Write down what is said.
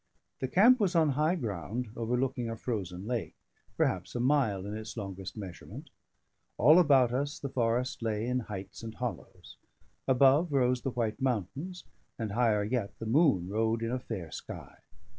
The camp was on high ground, overlooking a frozen lake, perhaps a mile in its longest measurement; all about us the forest lay in heights and hollows; above rose the white mountains; and higher yet, the moon rode in a fair sky.